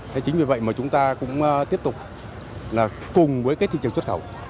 thế chính vì vậy mà chúng ta cũng tiếp tục là cùng với cái thị trường xuất khẩu